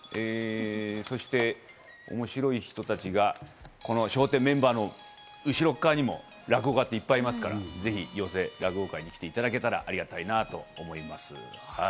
そして面白い人たちが笑点メンバーの後ろ側にも落語家っていっぱいいますからぜひ、寄席、落語会に来ていただけたらありがたいと思います。